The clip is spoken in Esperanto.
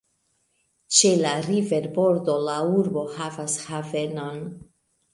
Ĉe la riverbordo la urbo havas havenon.